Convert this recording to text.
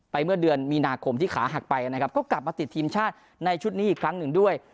เมื่อเดือนมีนาคมที่ขาหักไปนะครับก็กลับมาติดทีมชาติในชุดนี้อีกครั้งหนึ่งด้วย